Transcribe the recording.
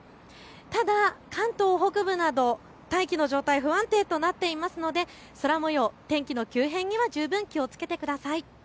ただ関東北部など大気の状態、不安定となっていますので空もよう、天気の急変には十分気をつけてください。